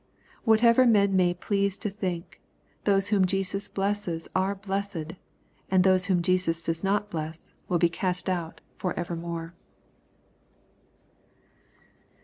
Whatever men may please to think, those whom Jesus blesses are blessed, and those whom Jesus does not bless will be cast out for evermore.